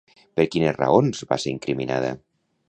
Per quines raons va ser incriminada?